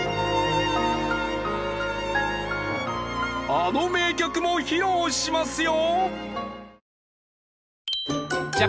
あの名曲も披露しますよ！